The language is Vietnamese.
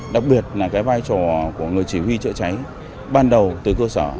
đặc biệt là cái vai trò của người chỉ huy chữa cháy ban đầu từ cơ sở